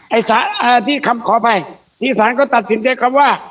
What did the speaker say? ไอ้สารอ่าที่คำขอไปที่สารก็ตัดสินใจคำว่า